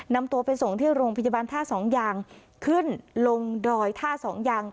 นำตัวไปส่งที่โรงพยาบาลท่าสองอย่างขึ้นลงดอยท่าสองยาง